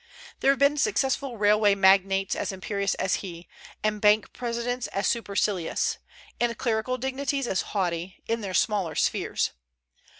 There have been successful railway magnates as imperious as he, and bank presidents as supercilious, and clerical dignitaries as haughty, in their smaller spheres.